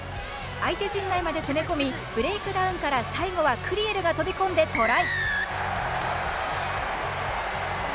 相手陣内まで攻め込みブレイクダウンから、最後はクリエルが飛び込んでトライ。